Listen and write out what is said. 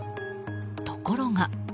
ところが。